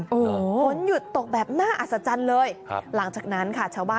ฝนหยุดตกแบบน่าอัศจรรย์เลยหลังจากนั้นค่ะ